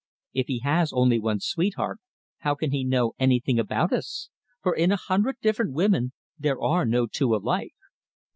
If he has only one sweetheart, how can he know anything about us? for in a hundred different women there are no two alike."